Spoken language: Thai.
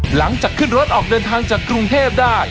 หลังจากขึ้นรถออกเดินทางจากกรุงเทพได้